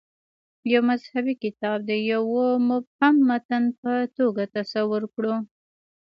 یو مذهبي کتاب د یوه مبهم متن په توګه تصور کړو.